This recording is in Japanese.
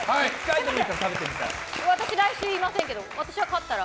私、来週いませんけど私が勝ったら？